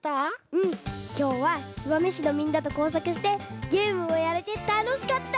うんきょうは燕市のみんなとこうさくしてゲームもやれてたのしかった！